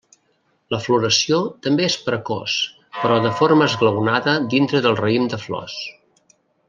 La floració també és precoç però de forma esglaonada dintre del raïm de flors.